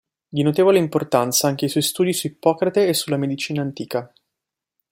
Di notevole importanza anche i suoi studi su Ippocrate e sulla medicina antica.